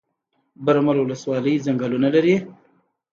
برمل ولسوالۍ ځنګلونه لري؟